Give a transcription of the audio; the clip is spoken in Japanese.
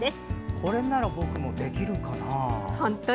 これなら僕もできるかな。